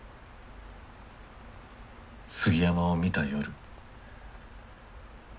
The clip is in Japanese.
杉山を見た夜。